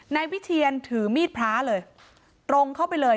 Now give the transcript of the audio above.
นายวิเทียนถือมีดพระเลยตรงเข้าไปเลย